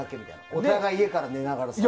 お互い、家から寝ながらさ。